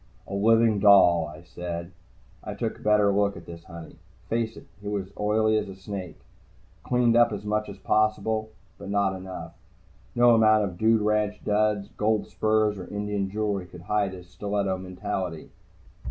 "A living doll," I said. I took a better look at this honey. Face it, he was an oily snake, cleaned up as much as possible, but not enough. No amount of dude ranch duds, gold spurs or Indian jewelry could hide his stiletto mentality.